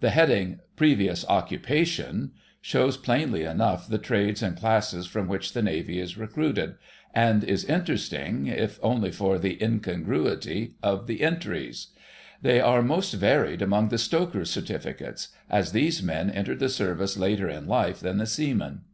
The heading PREVIOUS OCCUPATION shows plainly enough the trades and classes from which the Navy is recruited, and is interesting, if only for the incongruity of the entries. They are most varied among the Stokers' Certificates, as these men entered the Service later in life than the Seamen.